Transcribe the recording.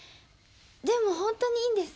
でも本当にいいんです。